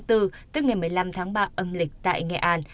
tức ngày một mươi năm tháng ba âm lịch tại nghệ an